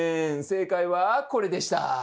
正解はこれでした。